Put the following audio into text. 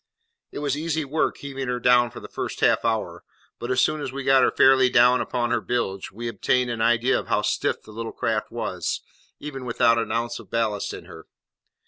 It was easy work heaving her down for the first half hour; but as soon as we got her fairly down upon her bilge, we obtained an idea of how stiff the little craft was, even without an ounce of ballast in her.